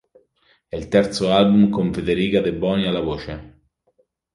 È il terzo album con Federica De Boni alla voce.